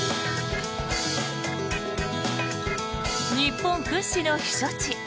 日本屈指の避暑地